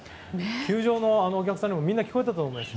球場のお客さんにもみんな聞こえていたと思います。